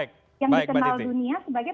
yang dikenal dunia sebagai